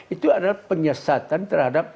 itu adalah penyesatan terhadap